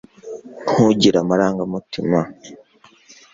ntugire amarangamutima